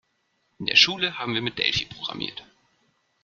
In der Schule haben wir mit Delphi programmiert.